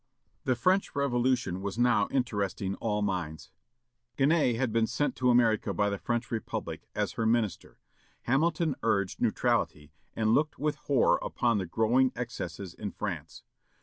The French Revolution was now interesting all minds. Genet had been sent to America by the French Republic, as her minister. Hamilton urged neutrality, and looked with horror upon the growing excesses in France.